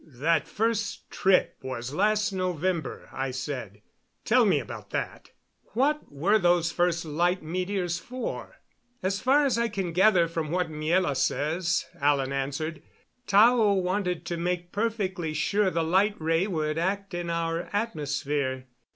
"That first trip was last November," I said. "Tell me about that. What were those first light meteors for?" "As far as I can gather from what Miela says," Alan answered, "Tao wanted to make perfectly sure the light ray would act in our atmosphere.